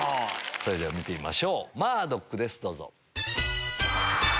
それでは見てみましょうマードックですどうぞ。